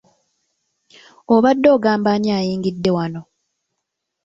Obadde ogamba ani ayingidde wano?